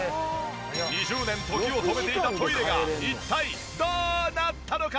２０年時を止めていたトイレが一体どうなったのか？